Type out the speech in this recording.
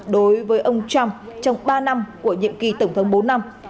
đối với ông trump trong ba năm của nhiệm kỳ tổng thống bốn năm